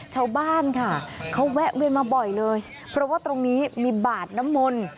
ชาวบ้านค่ะเขาแวะเวียนมาบ่อยเลยเพราะตรงนี้มีบาทนมล